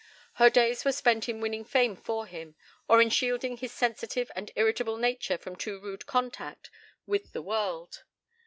Her days were spent in winning fame for him, or in shielding his sensitive and irritable nature from too rude contact with the world.